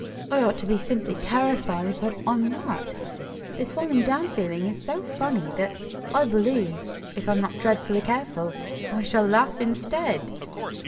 I ought to be simply terrified, but I'm not. This falling down feeling is so funny, that I believe, if I'm not dreadfully careful, I shall laugh instead."